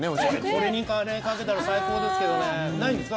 これにカレーかけたら最高ですけどね、ないんですか？